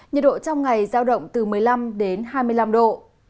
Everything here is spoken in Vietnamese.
nhiệt độ trong ngày giao động từ một mươi năm đến hai mươi năm độ